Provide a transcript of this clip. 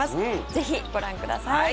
ぜひご覧ください。